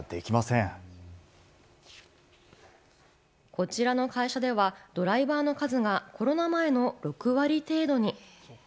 こちらの会社では、ドライバーの数がコロナ前の６割程度に。